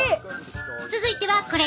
続いてはこれ！